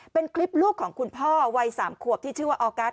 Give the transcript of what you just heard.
เป็นคลิปลูกของคุณพ่อวัย๓ขวบที่ชื่อว่าออกัส